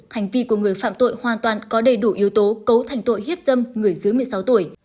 hành vi của người phạm tội hoàn toàn có đầy đủ yếu tố cấu thành tội hiếp dâm người dưới một mươi sáu tuổi